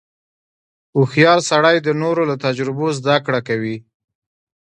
• هوښیار سړی د نورو له تجربو زدهکړه کوي.